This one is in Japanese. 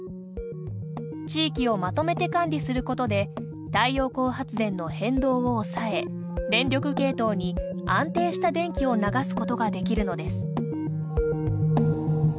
地域をまとめて管理することで太陽光発電の変動を抑え電力系統に安定した電気を流すことができるのです。